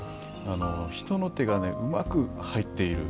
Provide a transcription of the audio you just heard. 人の手がうまく入っている。